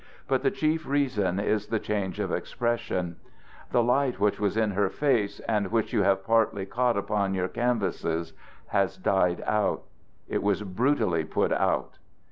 But the chief reason is the change of expression. The light which was in her face and which you have partly caught upon your canvases, has died out; it was brutally put out.